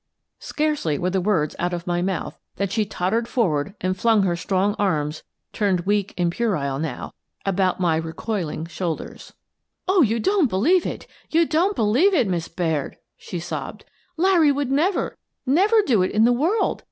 " Scarcely were the words out of my mouth than she tottered forward and flung her strong arms — turned weak and puerile now — about my recoiling shoulders. I Try the Third Degree 215 " Oh, you don't believe it ! You don't believe it, Miss Baird!" she sobbed. "Larry would never, never do it in the world